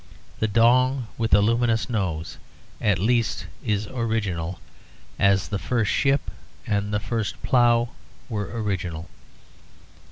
'The Dong with the Luminous Nose,' at least, is original, as the first ship and the first plough were original.